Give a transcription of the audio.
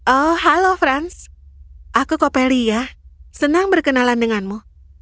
oh halo franz aku copelia senang berkenalan denganmu